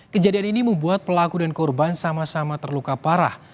kejadian ini membuat pelaku dan korban sama sama terluka parah